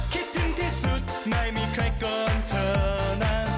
คิดถึงที่สุดไม่มีใครเกินเธอนะ